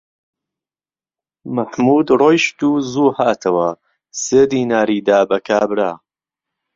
مەحموود ڕۆیشت و زوو هاتەوە، سێ دیناری دا بە کابرا